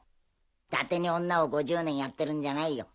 だてに女を５０年やってるんじゃないよ。